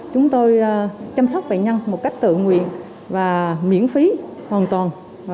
chúng tôi chăm sóc bệnh nhân một cách tự nguyện và miễn phí hoàn toàn